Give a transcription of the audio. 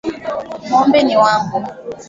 Ngo`mbe ni wangu.